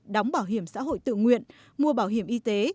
đóng bảo hiểm xã hội tự nguyện mua bảo hiểm y tế